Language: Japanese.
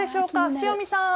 塩見さん。